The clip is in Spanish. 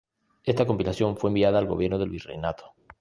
Esta compilación fue enviada al gobierno del Virreinato.